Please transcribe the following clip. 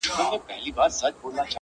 وه كلي ته زموږ راځي مـلـنگه ككـرۍ,